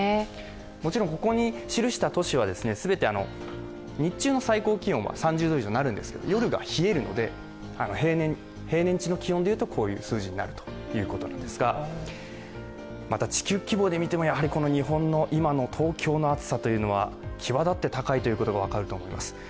もちろんここに記した都市は全て日中の最高気温は３０度以上なるんですが夜は冷えるので平年値の気温でいうとこの数字ということなんですが、地球規模で見ても日本の今の東京の暑さは際だって高いということが分かると思います。